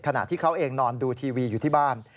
ขณะที่เขาเองนอนดูทีวีอยู่ที่บ้าน